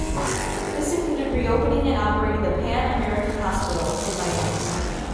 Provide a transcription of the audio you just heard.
This included reopening and operating the Pan American Hospital in Miami.